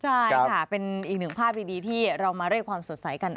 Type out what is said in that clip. ใช่ค่ะเป็นอีกหนึ่งภาพดีที่เรามาเรียกความสดใสกัน